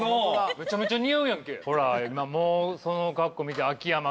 めちゃめちゃ似合うやんけ。